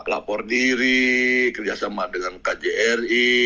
lapor diri kerjasama dengan kjri